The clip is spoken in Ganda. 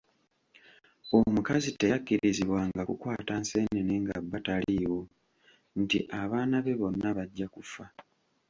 Omukazi teyakkirizibwanga kukwata nseenene nga bba taliiwo nti abaana be bonna bajja kufa.